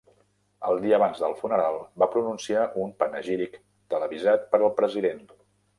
El dia abans del funeral, va pronunciar un panegíric televisat per al president.